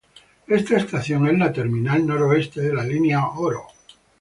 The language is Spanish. Esta estación es la terminal noreste de la línea Oro.